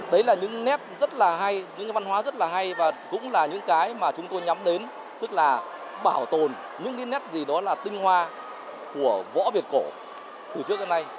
đấy là những nét rất là hay những văn hóa rất là hay và cũng là những cái mà chúng tôi nhắm đến tức là bảo tồn những cái nét gì đó là tinh hoa của võ việt cổ từ trước đến nay